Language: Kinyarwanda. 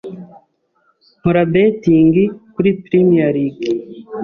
"Nkora 'betting' kuri Premier League,